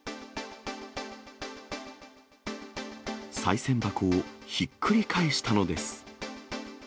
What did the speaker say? さい銭箱をひっくり返したのです。